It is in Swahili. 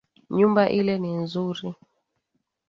Nyumba ile ni nzuri